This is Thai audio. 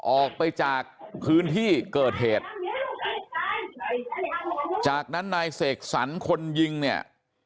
ออกไปจากพื้นที่เกิดเหตุจากนั้นนายเสกสรรคนยิงเนี่ย